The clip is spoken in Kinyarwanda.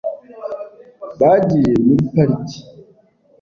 Bagiye muri pariki.